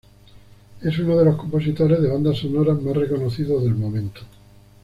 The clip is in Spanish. Es uno de los compositores de bandas sonoras más reconocidos del momento.